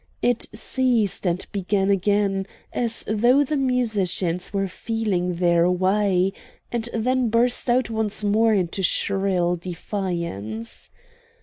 It ceased and began again, as though the musicians were feeling their way, and then burst out once more into shrill defiance.